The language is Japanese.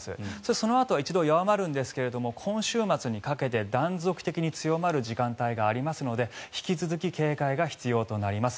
そのあとは一度弱まるんですけど今週末にかけて、断続的に強まる時間帯がありますので引き続き警戒が必要となります。